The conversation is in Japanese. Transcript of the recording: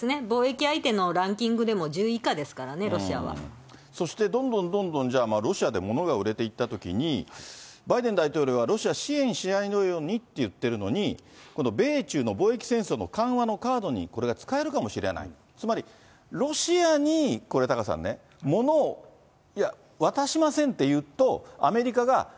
貿易相手のランキングでも１０位以下ですからね、そしてどんどんどんどん、じゃあ、ロシアでものが売れていったときに、バイデン大統領はロシアを支援しないようにって言ってるのに、この米中の貿易戦争の緩和のカードにこれが使えるかもしれない、つまりロシアにこれ、タカさんね、ものを、いや、渡しませんって言うと、アメリカが、